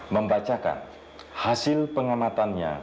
membacakan hasil pengamatannya